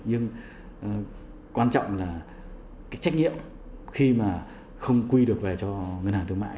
nhưng quan trọng là cái trách nhiệm khi mà không quy được về cho ngân hàng thương mại